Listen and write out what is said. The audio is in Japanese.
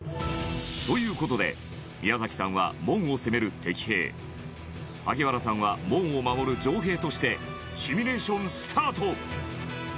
という事で宮崎さんは、門を攻める敵兵萩原さんは門を守る城兵としてシミュレーション、スタート！